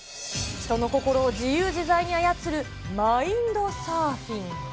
人の心を自由自在に操るマインドサーフィン。